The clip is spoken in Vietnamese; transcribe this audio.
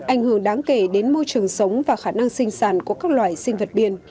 ảnh hưởng đáng kể đến môi trường sống và khả năng sinh sản của các loài sinh vật biên